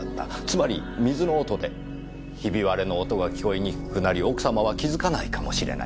つまり水の音でひび割れの音は聞こえにくくなり奥様は気づかないかもしれない。